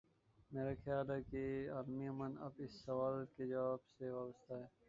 میرا خیال ہے کہ عالمی ا من اب اس سوال کے جواب سے وابستہ ہے۔